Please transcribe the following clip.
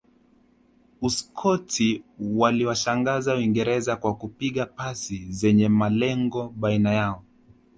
Uskoti waliwashangaza uingereza kwa kupiga pasi zenye malengo baina yao